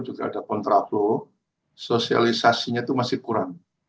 juga ada kontraflow sosialisasinya itu masih kurang